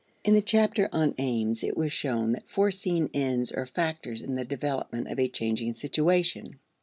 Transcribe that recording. In the chapter on Aims it was shown that foreseen ends are factors in the development of a changing situation.